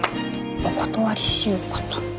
お断りしようかと。